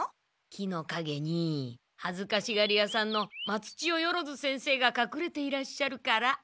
木のかげにはずかしがり屋さんの松千代万先生がかくれていらっしゃるから。